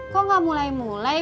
kok gak mulai mulai